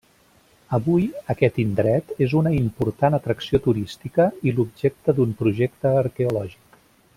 Avui, aquest indret és una important atracció turística i l'objecte d'un projecte arqueològic.